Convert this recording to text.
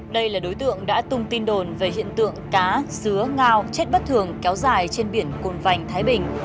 đây là đối tượng đã tung tin đồn về hiện tượng cá xứ ngao chết bất thường kéo dài trên biển cồn vành thái bình